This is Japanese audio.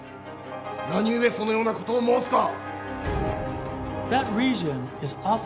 何故そのようなことを申すか？